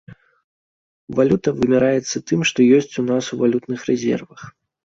Валюта вымяраецца тым, што ёсць у нас у валютных рэзервах.